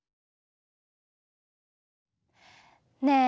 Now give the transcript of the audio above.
ねえ！